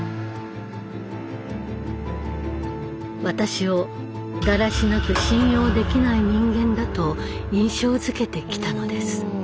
私をだらしなく信用できない人間だと印象づけてきたのです。